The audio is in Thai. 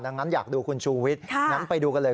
ดังนั้นอยากดูคุณชูวิทย์งั้นไปดูกันเลย